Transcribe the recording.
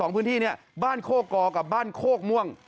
๒พื้นที่บ้านโคกกอวกับบ้านโคกม่วง